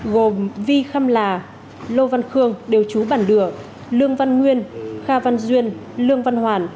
gồm vi khâm là lô văn khương đều trú bàn đửa lương văn nguyên kha văn duyên lương văn hoàn